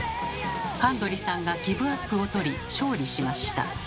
神取さんがギブアップをとり勝利しました。